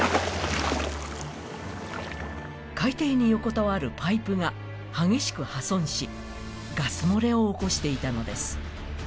海底に横たわるパイプが激しく破損し、ガス漏れを起こしていたのです。